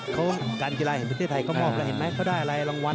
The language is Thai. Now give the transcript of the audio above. โทษท่านส่งเสริมมวยดีเด่น